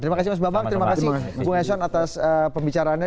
terima kasih mas bambang terima kasih bung eson atas pembicaraannya